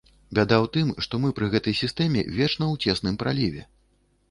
Бяда ў тым, што мы пры гэтай сістэме вечна ў цесным праліве.